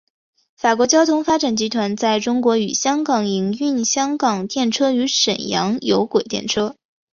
法国交通发展集团在中国与香港营运香港电车与沈阳有轨电车。